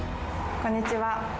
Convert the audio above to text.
こんにちは。